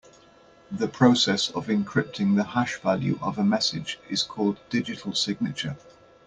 The process of encrypting the hash value of a message is called digital signature.